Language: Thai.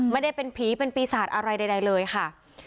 ไม่ได้เป็นผีเป็นปีศาจอะไรใดเลยค่ะ